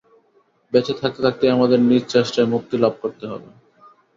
বেঁচে থাকতে থাকতেই আমাদের নিজ চেষ্টায় মুক্তিলাভ করতে হবে।